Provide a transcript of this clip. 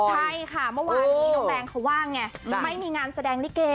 ใช่ค่ะเมื่อวานนี้น้องแบงค์เขาว่าไงไม่มีงานแสดงลิเก